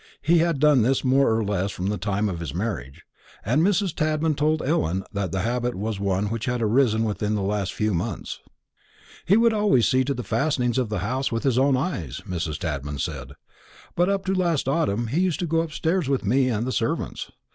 He had done this more or less from the time of his marriage; and Mrs. Tadman had told Ellen that the habit was one which had arisen within the last few months. "He would always see to the fastenings of the house with his own eyes," Mrs. Tadman said; "but up to last autumn he used to go upstairs with me and the servants.